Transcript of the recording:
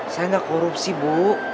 saya gak korupsi bu